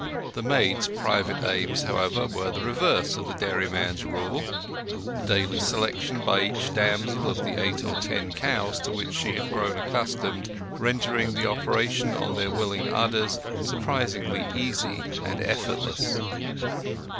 The maids' private aims, however, were the reverse of the dairyman's rule, the daily selection by each damsel of the eight or ten cows to which she had grown accustomed rendering the operation on their willing udders surprisingly easy and effortless.